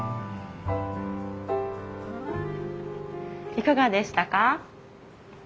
いかがでしたか？